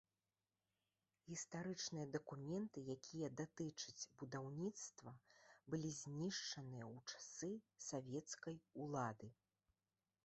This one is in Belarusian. Гістарычныя дакументы, якія датычаць будаўніцтва, былі знішчаныя ў часы савецкай улады.